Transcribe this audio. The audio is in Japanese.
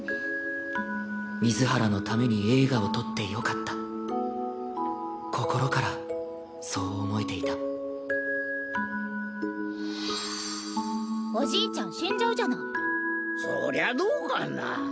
水原のために映画を撮ってよかった心からそう思えていたおじいちゃん死んじゃうじゃないそりゃどうかな